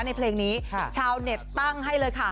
ในเพลงนี้ชาวเน็ตตั้งให้เลยค่ะ